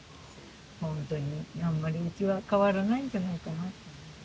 ほんとにあんまりうちは変わらないんじゃないかな。